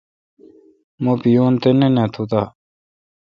مہ بیون تہ نہ نا تو دا